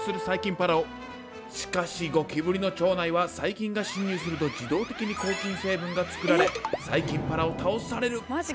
しかしゴキブリの腸内は細菌が侵入すると自動的に抗菌成分が作られ細菌パラオ倒される。